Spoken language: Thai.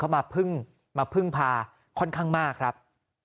ก็เลยคนเขามาพึ่งพาค่อนข้างมากครับ